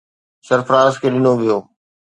سرفراز کي ڏنو ويو.